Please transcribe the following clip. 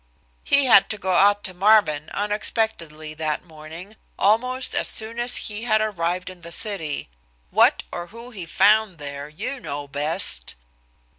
He had to go out to Marvin unexpectedly that morning, almost as soon as he had arrived in the city. What or who he found there, you know best."